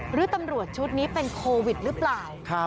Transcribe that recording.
หรือตำรวจชุดนี้เป็นโควิดหรือเปล่า